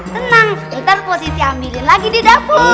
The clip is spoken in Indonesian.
tenang ntar positi ambilin lagi di dapur